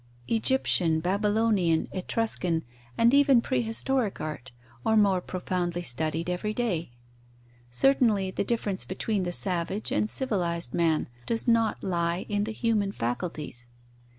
Egyptian, Babylonian, Etruscan, and even prehistoric art, are more profoundly studied every day. Certainly, the difference between the savage and civilized man does not lie in the human faculties.